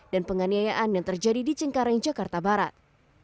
dan penganiayaan yang terjadi di cengkareng jakarta barat